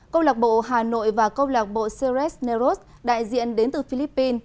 công lạc bộ hà nội và công lạc bộ ceres neuros đại diện đến từ philippines